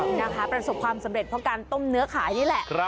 นะคะประสบความสำเร็จเพราะการต้มเนื้อขายนี่แหละ